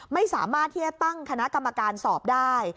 ไม่สามารถที่จะตั้งคณะกรรมการสอบได้